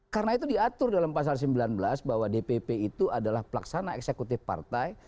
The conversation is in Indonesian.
karena itu diatur dalam pasal sembilan belas bahwa dpp itu adalah pelaksana eksekutif partai